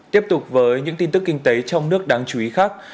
tiếp tục với những tin tức kinh tế trong nước đáng chú ý khác